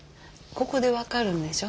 ここで分かるんでしょ？